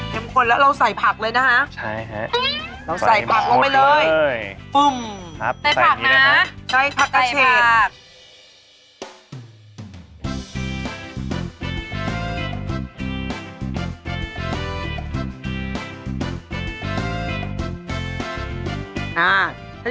ข้นแล้วเราใส่ผักเลยนะฮะใช่ฮะเราใส่ผักลงไปเลยปึ้มใส่ผักนะใช้ผักกระเชษผัก